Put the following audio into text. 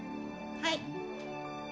はい。